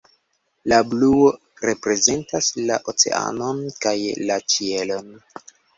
La bluo reprezentas la oceanon kaj la ĉielon.